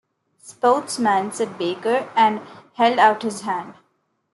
"Sportsman," said Baker and held out his hand.